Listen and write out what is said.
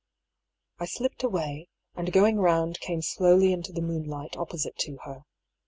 I slipped away, and going round came slowly into the moonlight opposite to her.